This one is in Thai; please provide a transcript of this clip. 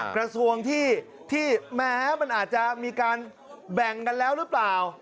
กระทรวงที่แม้มันอาจจะมีการแบ่งกันแล้วหรือเปล่า